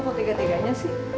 papa kok tega teganya sih